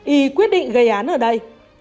y quyết định gây án ở đây